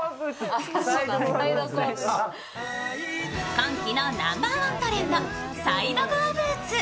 今季のナンバーワントレンド、サイドゴアブーツ。